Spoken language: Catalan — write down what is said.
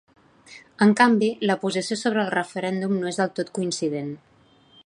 En canvi, la posició sobre el referèndum no és del tot coincident.